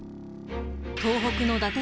［東北の伊達